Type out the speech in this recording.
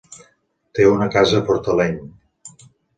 Té una casa a Fortaleny.